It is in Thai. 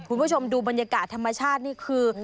คุณผู้ชมดูบรรยากาศธรรมชาตินี่คือ